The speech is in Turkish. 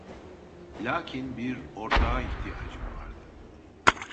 Lakin bir ortağa ihtiyacım vardı.